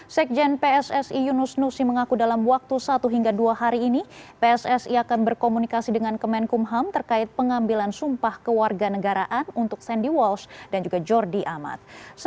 sekjen pssi yunus nusi mengaku dalam waktu satu hingga dua hari ini pssi akan berkomunikasi dengan kemenkumham terkait pengambilan sumpah kewarganegaraan untuk sandy walsh dan juga jordi amat